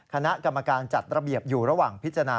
คณะกรรมการจัดระเบียบอยู่ระหว่างพิจารณา